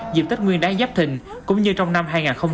dịp tết nguyên đáng giáp thình cũng như trong năm hai nghìn hai mươi bốn